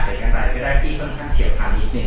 เสร็จการทายก็ได้ที่ท่านเฉียวทางอีกนึง